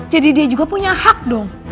jadi dia juga punya hak dong